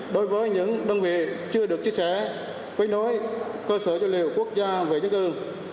đối với những đơn vị chưa được chia sẻ với cơ sở dữ liệu quốc gia về dân cư